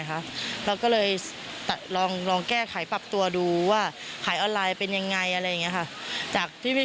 ถ้าเกิดลูกค้าเขาไม่ค่อยกล้าเสี่ยงที่จะออกมา